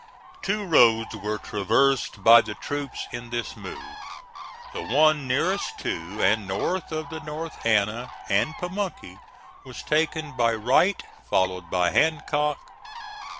Two roads were traversed by the troops in this move. The one nearest to and north of the North Anna and Pamunkey was taken by Wright, followed by Hancock.